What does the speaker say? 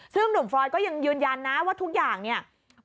ซึ่งนุ่มฟรอยด์ก็ยืนยันนะว่าทุกอย่างนี่